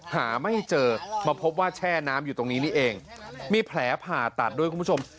หาไม่เจอมาพบว่าแช่น้ำอยู่ตรงนี้นี่เองมีแผลผ่าตัดด้วยคุณผู้ชม